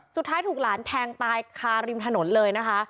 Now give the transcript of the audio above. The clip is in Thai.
สุดท้ายถูกหลานแทงตายคาริมถนนเลยนะคะ